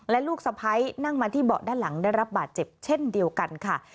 และลูกสะพ้ายนั่งมาที่เบาะด้านหลังได้รับบาดเจ็บเช่นเดียวกันค่ะ